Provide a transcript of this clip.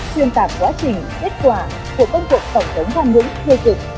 công tác đấu tranh phòng chống tham nhũng tiêu cực